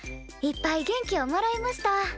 いっぱい元気をもらいました。